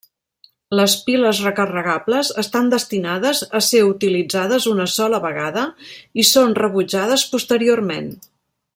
Les piles recarregables estan destinades a ser utilitzades una sola vegada i són rebutjades posteriorment.